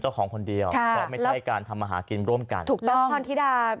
เจ้าของคนเดียวไม่ใช่การทำอาหารกินร่วมกันถูกต้องพรธิดา